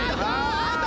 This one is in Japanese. アウト！